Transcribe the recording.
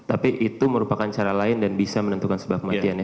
tapi itu merupakan cara lain dan bisa menentukan sebab kematiannya